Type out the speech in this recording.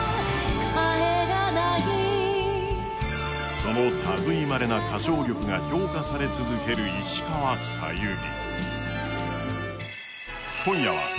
そのたぐいまれな歌唱力が評価され続ける石川さゆり。